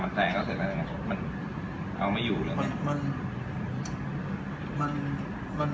มันเอาไม่อยู่หรือไง